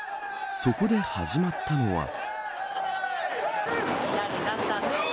そこで始まったのは。